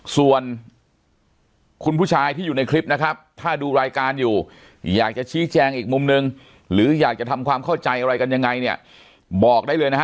ส่วนคุณผู้ชายที่อยู่ในคลิปนะครับถ้าดูรายการอยู่อยากจะชี้แจงอีกมุมนึงหรืออยากจะทำความเข้าใจอะไรกันยังไงเนี่ยบอกได้เลยนะฮะ